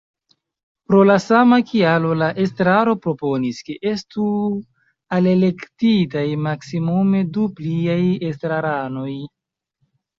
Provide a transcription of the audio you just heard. Pro la sama kialo la estraro proponis, ke estu alelektitaj maksimume du pliaj estraranoj.